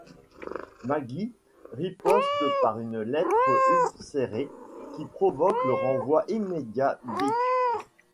Maggie riposte par une lettre ulcérée qui provoque le renvoi immédiat d'Ike.